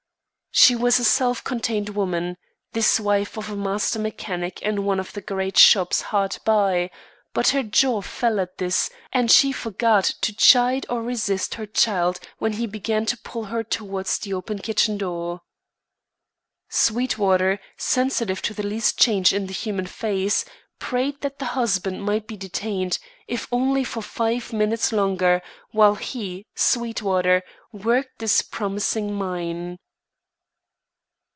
She was a self contained woman, this wife of a master mechanic in one of the great shops hard by; but her jaw fell at this, and she forgot to chide or resist her child when he began to pull her towards the open kitchen door. Sweetwater, sensitive to the least change in the human face, prayed that the husband might be detained, if only for five minutes longer, while he, Sweetwater, worked this promising mine.